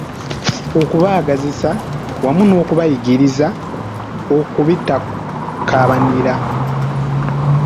Okubibaagazisa wamu n’okubayigiriza okubitakabanira.